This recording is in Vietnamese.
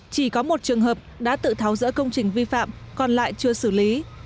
chỉ có một trường hợp đã tự tháo rỡ công trình vi phạm còn lại chưa xử lý